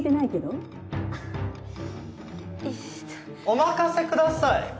お任せください。